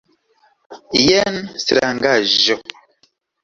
Jen strangaĵo.